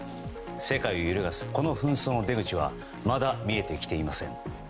世界を揺るがすこの紛争の出口はまだ見えてきていません。